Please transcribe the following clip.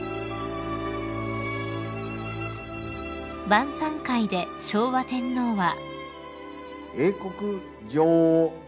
［晩さん会で昭和天皇は］